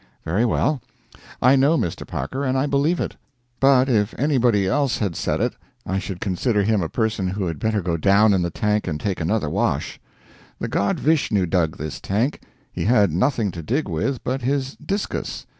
Very well. I know Mr. Parker, and I believe it; but if anybody else had said it, I should consider him a person who had better go down in the tank and take another wash. The god Vishnu dug this tank. He had nothing to dig with but his "discus."